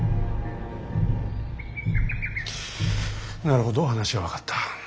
なるほど話は分かった。